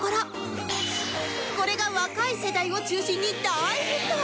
これが若い世代を中心に大ヒット！